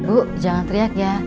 ibu jangan teriak ya